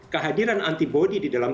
kehadiran antibody di dalam